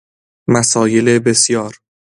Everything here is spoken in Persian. مسایل بسیار